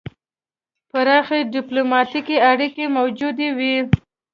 پراخې ډیپلوماتیکې اړیکې موجودې وې.